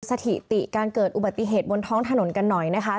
สถิติการเกิดอุบัติเหตุบนท้องถนนกันหน่อยนะคะ